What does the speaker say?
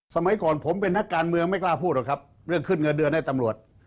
สมัยก่อนผมเป็นนักการเมืองไม่กล้าพูดหรอกครับเรื่องขึ้นเงินเดือนให้ตำรวจ